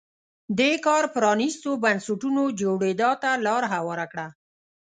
دې کار پرانیستو بنسټونو جوړېدا ته لار هواره کړه.